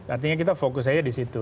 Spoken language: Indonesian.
artinya kita fokus saja di situ